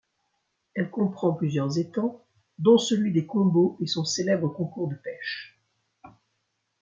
Elle comprend plusieurs étang, dont celui des Combeaux et son célèbre concours de pèche.